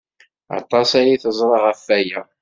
Aṭas ay teẓra ɣef waya.